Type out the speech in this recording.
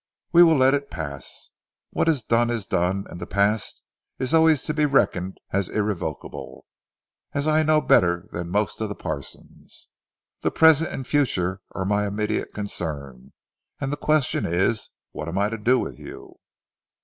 "We will let it pass. What is done is done, and the past is always to be reckoned as irrevocable, as I know better than most of the parsons. The present and the future are my immediate concern, and the question is what am I to do with you?"